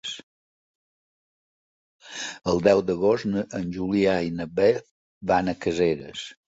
El deu d'agost en Julià i na Beth van a Caseres.